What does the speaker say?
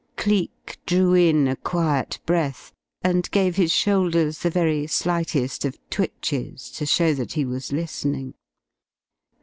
Cleek drew in a quiet breath, and gave his shoulders the very slightest of twitches, to show that he was listening.